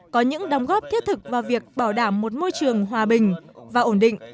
có những đóng góp thiết thực vào việc bảo đảm một môi trường hòa bình và ổn định